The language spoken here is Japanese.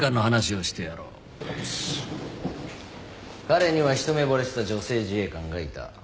彼には一目ぼれした女性自衛官がいた。